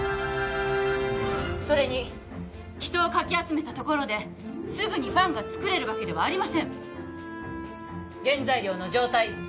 それに人をかき集めたところですぐにパンが作れるわけではありません原材料の状態